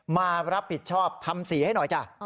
มารับผิดชอบทำสีให้หน่อยจ้ะ